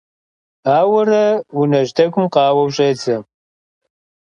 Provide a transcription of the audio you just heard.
Ауэрэ унэжь тӀэкӀум къауэу щӀедзэ.